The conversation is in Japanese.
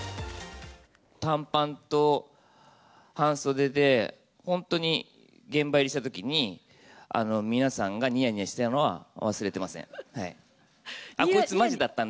短パンと半袖で、本当に現場入りしたときに、皆さんがにやにやしてたのは忘れてません。